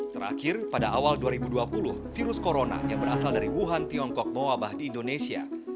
terakhir pada awal dua ribu dua puluh virus corona yang berasal dari wuhan tiongkok mewabah di indonesia